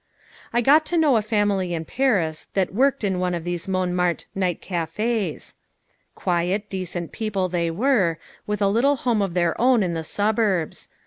I got to know a family in Paris that worked in one of these Montmartre night cafés quiet, decent people they were, with a little home of their own in the suburbs.